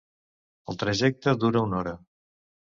El trajecte dura una hora.